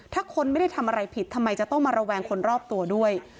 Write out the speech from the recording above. ถ้าคนไม่ได้ทำอะไรผิดทำไมจะต้องมาระแวงคนรอบตัวด้วย